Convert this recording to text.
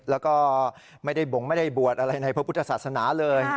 แล้วก็ไม่ได้บ่งไม่ได้บวชอะไรในพระพุทธศาสนาเลย